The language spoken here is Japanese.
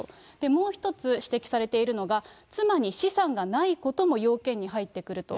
もう一つ指摘されているのが、妻に資産がないことも要件に入ってくると。